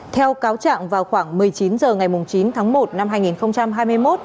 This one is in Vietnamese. theo cáo trạng vào khoảng một mươi chín h ngày chín tháng một năm hai nghìn hai mươi một